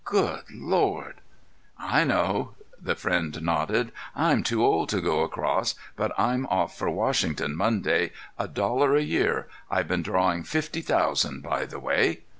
Good Lord!" "I know," the friend nodded. "I'm too old to go across, but I'm off for Washington Monday. A dollar a year. I've been drawing fifty thousand, by the way."